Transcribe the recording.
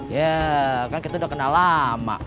ya kan kita udah kenal lama